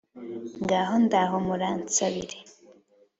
Ngaho ndaho muransabire